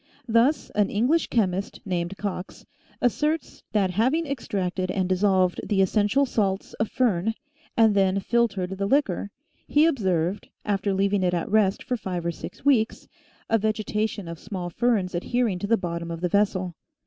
Thus, an English chemist, named Coxe, asserts that having extracted and dissolved the essential salts of fern, and then filtered the liquor, he observed, after leaving it at rest for five or six weeks, a vegetation of small ferns adhering to the bottom of the vessel.